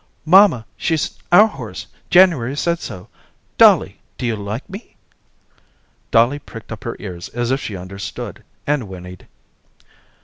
"Mamma, she's our horse. January said so. Dolly, do you like me?" Dolly pricked up her ears as if she understood, and whinnied.